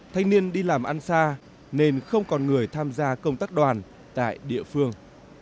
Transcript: thanh niên đi làm ăn xa nên không còn người tham gia công tác đoàn tại địa phương